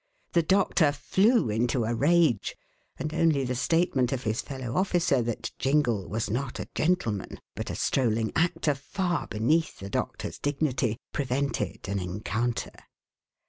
The doctor flew into a rage and only the statement of his fellow officer, that Jingle was not a gentleman, but a strolling actor far beneath the doctor's dignity, prevented an encounter.